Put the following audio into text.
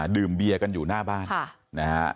ดื่มเบียร์กันอยู่หน้าบ้านนะฮะ